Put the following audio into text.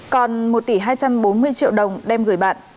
còn một tỷ hai trăm bốn mươi triệu đồng đem gửi bạn